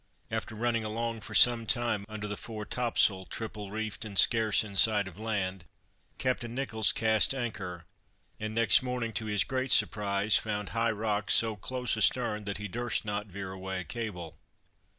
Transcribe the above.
After running along for some time under the fore topsail, triple reefed, and scarce in sight of land, Captain Nicholls cast anchor; and next morning to his great surprise, found high rocks so close astern, that he durst not veer away a cable.